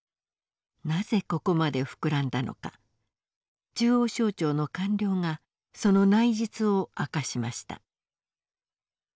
なぜここまで膨らんだのか中央省庁の官僚がその内実を明かしました。